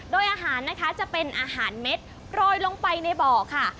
โดยอาหารนะคะจะเป็นอาหารเม็ดโรยลงไปในบ่อค่ะ